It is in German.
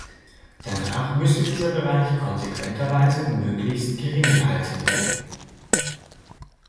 Danach müsste dieser Bereich konsequenterweise möglichst gering gehalten werden.